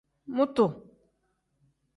Mutu.